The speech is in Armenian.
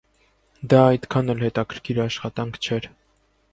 Դա այդքան էլ հետաքրքիր աշխատանք չէր։